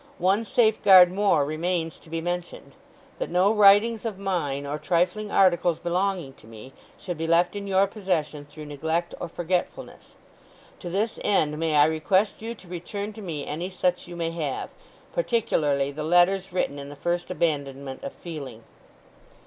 One safe guard more remains to be mentioned—that no writings of mine, or trifling articles belonging to me, should be left in your possession through neglect or forgetfulness. To this end may I request you to return to me any such you may have, particularly the letters written in the first abandonment of feeling.